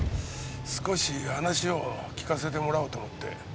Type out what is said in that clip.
少し話を聞かせてもらおうと思って。